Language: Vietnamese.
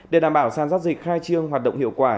để đảm bảo sản giao dịch khai trương hoạt động hiệu quả